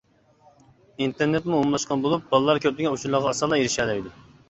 ئىنتېرنېتمۇ ئومۇملاشقان بولۇپ، بالىلار كۆپلىگەن ئۇچۇرلارغا ئاسانلا ئېرىشەلەيدۇ.